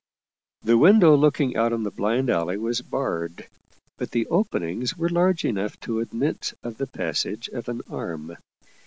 The window looking out on the blind alley was barred, but the openings were large enough to admit of the passage of an arm.